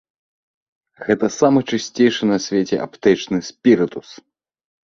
Гэта самы чысцейшы на свеце аптэчны спірытус!